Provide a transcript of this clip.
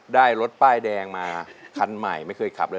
ได้รถป้ายแดงมาคันใหม่ไม่เคยขับเลย